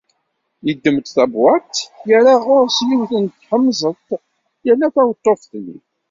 Yeddem-d tabewwaḍt, yerra ɣur-s yiwet n tḥemẓet yerna taweṭṭuft-nni.